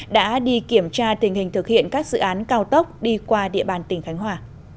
đã đi kiểm tra tình hình thực hiện các dự án cao tốc đi qua địa bàn tỉnh khánh hòa